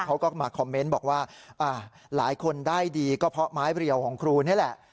เขาก็มาคอมเมนต์บอกว่าหลายคนได้ดีก็เพราะไม้เรียวของครูนี่แหละ